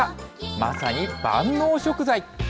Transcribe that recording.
まさに万能食材。